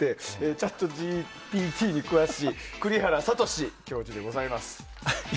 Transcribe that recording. ＣｈａｔＧＰＴに詳しい栗原聡教授でございます。